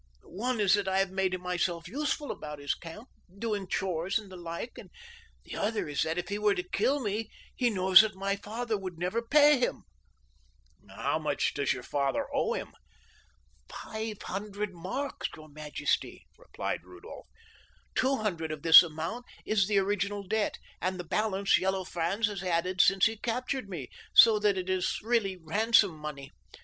One is that I have made myself useful about his camp, doing chores and the like, and the other is that were he to kill me he knows that my father would never pay him." "How much does your father owe him?" "Five hundred marks, your majesty," replied Rudolph. "Two hundred of this amount is the original debt, and the balance Yellow Franz has added since he captured me, so that it is really ransom money.